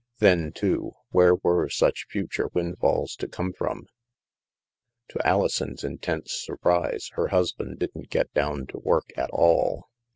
Then, too, where were such future windfalls to come from ? To Alison's intense surprise, her hus band didn't get down to work at all.